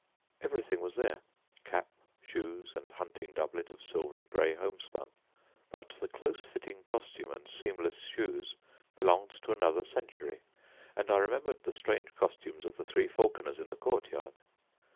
Everything was there, cap, shoes, and hunting doublet of silvery grey homespun; but the close fitting costume and seamless shoes belonged to another century, and I remembered the strange costumes of the three falconers in the court yard.